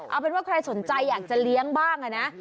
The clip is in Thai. เอาเป็นว่าใครสนใจอยากจะเลี้ยงบ้างนะ